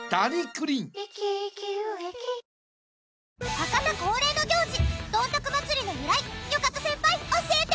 博多恒例の行事どんたく祭りの由来よかと先輩教えて！